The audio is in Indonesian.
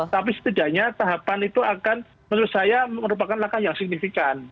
tapi setidaknya tahapan itu akan menurut saya merupakan langkah yang signifikan